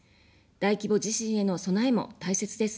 大規模地震への備えも大切です。